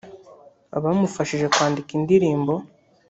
abamufashije kwandika indirimbo